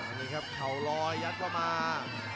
นี่ครับเข่าลอยยัดเข้ามา